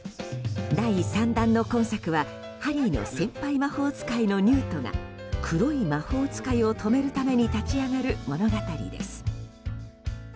第３弾の今作は、ハリーの先輩魔法使いのニュートが黒い魔法使いを止めるために立ち上がる物語です。